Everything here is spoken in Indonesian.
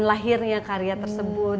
lahirnya karya tersebut